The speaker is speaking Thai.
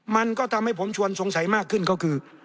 มันก็ทำให้ผมชวนสงสัยมากขึ้นก็คือ